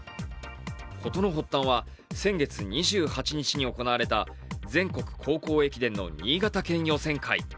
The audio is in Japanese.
事の発端は先月２８日に行われた全国高校駅伝の新潟県予選会。